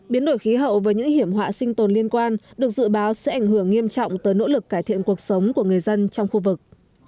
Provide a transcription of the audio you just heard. biến đổi khí hậu với những hiểm họa sinh tồn liên quan được dự báo sẽ ảnh hưởng nghiêm trọng tới nỗ lực cải thiện cuộc sống của người dân trong khu vực